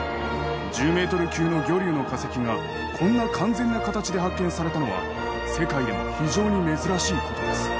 １０ｍ級の魚竜の化石がこんな完全な形で発見されたのは世界でも非常に珍しいことです。